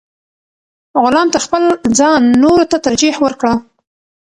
غلام تر خپل ځان نورو ته ترجیح ورکړه.